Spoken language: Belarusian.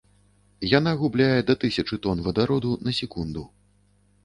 Яна губляе да тысячы тон вадароду на секунду.